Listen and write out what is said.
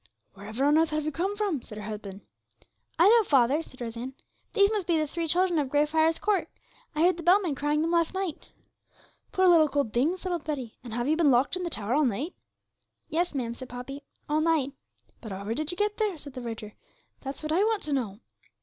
'Wherever on earth have you come from?' said her husband. 'I know, father,' said Rose Ann; 'these must be the three children of Grey Friars Court. I heard the bellman crying them last night.' 'Poor little cold things!' said old Betty, 'and have ye been locked in the tower all night?' 'Yes, ma'am,' said Poppy, 'all night.' 'But however did you get there?' said the verger. 'That's what I want to know.'